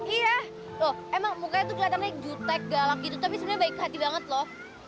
iya loh emang mukanya tuh keliatan aja jutek galak gitu tapi sebenernya baik hati banget loh